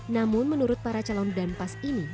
namun menurut para calon dan pas ini